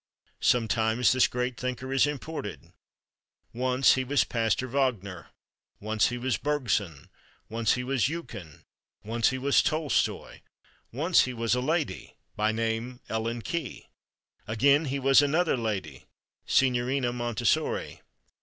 Sometimes this Great Thinker is imported. Once he was Pastor Wagner; once he was Bergson; once he was Eucken; once he was Tolstoi; once he was a lady, by name Ellen Key; again he was another lady, Signorina Montessori.